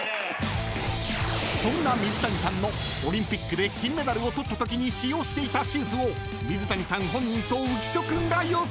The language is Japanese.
［そんな水谷さんのオリンピックで金メダルを取ったときに使用していたシューズを水谷さん本人と浮所君が予想］